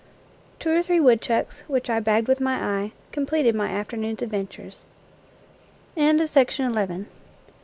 Two or three woodchucks, which I bagged with my eye, completed my afternoon's adventures. IN FIELD AND WOOD I.